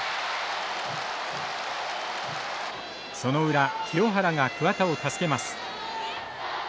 その裏、清原が桑田を助けます。